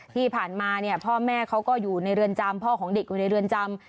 ที่ผ่านมาเนี่ยพ่อแม่เขาก็อยู่ในเรือนจำพ่อของเด็กอยู่ในเรือนจำ